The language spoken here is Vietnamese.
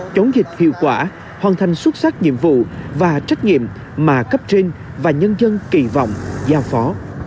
chống dịch hiệu quả hoàn thành xuất sắc nhiệm vụ và trách nhiệm mà cấp trên và nhân dân kỳ vọng giao phó